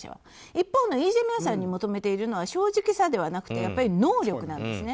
一方のイ・ジェミョンさんに求めているのは正直さではなくて能力なんですね。